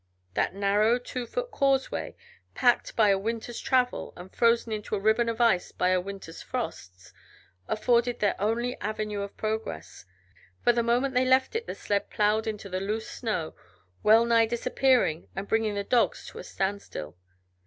That narrow, two foot causeway, packed by a winter's travel and frozen into a ribbon of ice by a winter's frosts, afforded their only avenue of progress, for the moment they left it the sled plowed into the loose snow, well nigh disappearing and bringing the dogs to a standstill.